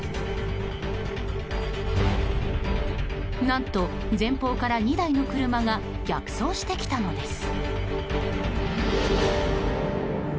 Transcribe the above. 何と前方から２台の車が逆走してきたのです。